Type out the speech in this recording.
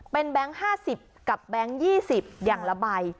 เป็นแบงค์๕๐กับแบงค์๒๐อย่างละใบ